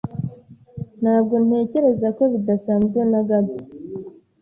Ntabwo ntekereza ko bidasanzwe na gato.